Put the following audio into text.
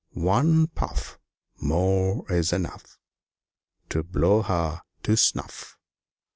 "One puff More's enough To blow her to snuff!